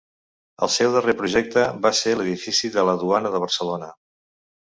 El seu darrer projecte va ser l'edifici de la Duana de Barcelona.